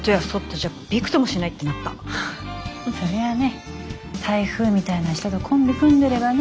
そりゃあね台風みたいな人とコンビ組んでればね。